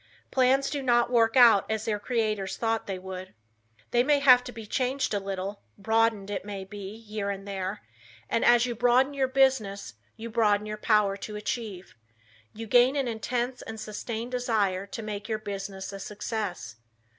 Plans do not work out as their creators thought they would. They may have to be changed a little, broadened it may be, here and there, and as you broaden your business you broaden your power to achieve. You gain an intense and sustained desire to make your business a success.